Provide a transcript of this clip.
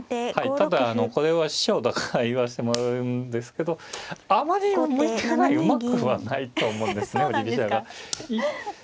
ただこれは師匠だから言わせてもらうんですけどあまり向いてないうまくはないと思うんですね